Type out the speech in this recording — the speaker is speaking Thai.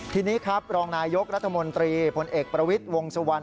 ทีนี้ครับรองนายกรัฐมนตรีพลเอกประวิทย์วงสุวรรณ